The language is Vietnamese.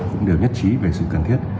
cũng đều nhất trí về sự cần thiết